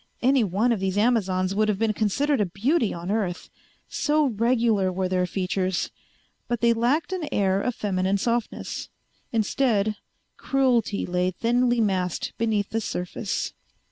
Any one of these Amazons would have been considered a beauty on Earth, so regular were their features, but they lacked an air of feminine softness. Instead, cruelty lay thinly masked beneath the surface.